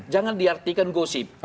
jangan diartikan gosip